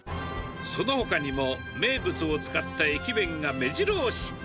そのほかにも、名物を使った駅弁がめじろ押し。